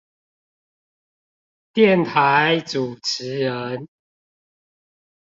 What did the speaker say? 電台主持人